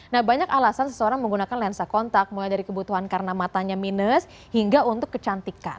nah banyak alasan seseorang menggunakan lensa kontak mulai dari kebutuhan karena matanya minus hingga untuk kecantikan